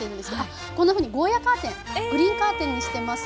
こんなふうにゴーヤーカーテングリーンカーテンにしてます。